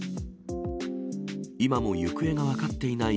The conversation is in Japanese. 今も行方が分かっていない